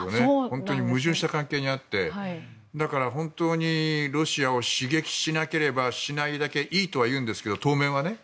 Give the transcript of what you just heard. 本当に矛盾した関係にあってだから、本当にロシアを刺激しなければしないだけいいというんですが当面はね。